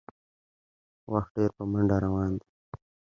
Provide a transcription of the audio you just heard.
وخت ډېر په منډه روان دی